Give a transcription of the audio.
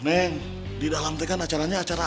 neng di dalam teh kan acaranya acaranya